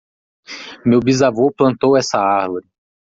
Meu bisavô plantou essa árvore.